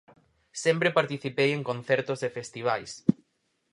Sempre participei en concertos e festivais.